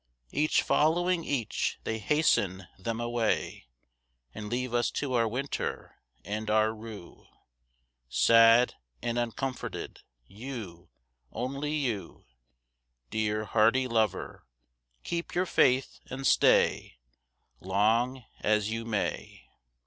Each following each they hasten them away, And leave us to our winter and our rue, Sad and uncomforted; you, only you, Dear, hardy lover, keep your faith and stay Long as you may.